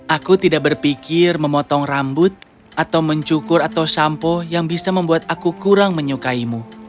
aku tidak berpikir memotong rambut atau mencukur atau sampo yang bisa membuat aku kurang menyukaimu